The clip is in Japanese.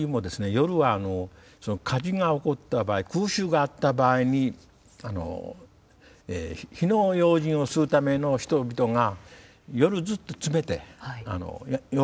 夜は火事が起こった場合空襲があった場合に火の用心をするための人々が夜ずっと詰めて夜番をするという習慣があったわけです。